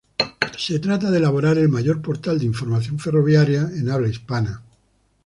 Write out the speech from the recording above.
Se trataba de elaborar el mayor portal de información ferroviaria en habla hispana.